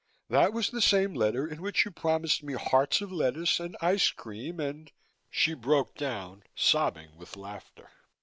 "That was the same letter in which you promised me hearts of lettuce, and ice cream and " she broke down, sobbing with laughter.